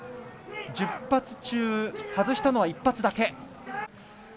１０発中、外したのは１発だけ。